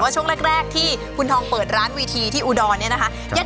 ช่วงแรกที่คุณทองเปิดร้านวีทีที่อุดรเนี่ยนะคะ